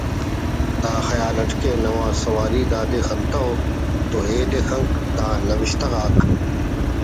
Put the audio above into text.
(دا خیال اٹ کہ نوا سواری دا دے خنتو تو ایدے خنک) دا نوشتہ غاک